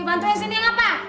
bantuin sini ya pak